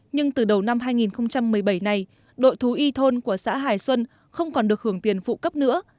nhưng từ đầu năm hai nghìn một mươi bảy này đội thú y thôn của xã hải xuân không còn được hưởng tiền phụ cấp nữa